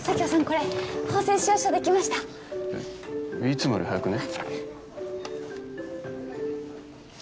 これ縫製仕様書できましたいつもより早くね？